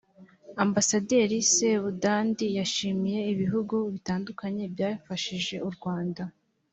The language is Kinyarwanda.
ambasaderi sebudandi yashimiye ibihugu bitandukanye byafashije u rwa